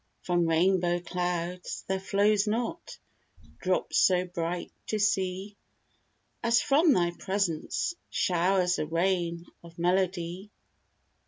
From rainbow clouds there flow not Drops so bright to see, As from thy presence showers a rain of melody."